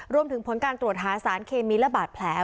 รวมถึงผลการตรวจหาสารเคมีและบาดแผล